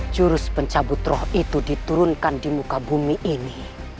jurus pencabut roh itu diturunkan di muka bumi ini